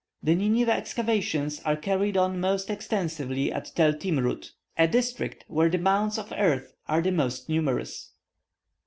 The Nineveh excavations are carried on most extensively at Tel Timroud, a district where the mounds of earth are the most numerous.